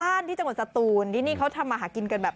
บ้านที่จังหวัดสตูนนี่เขาทำอาหารกินกันแบบ